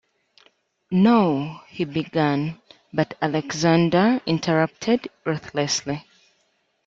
"No —" he began, but Alexander interrupted ruthlessly.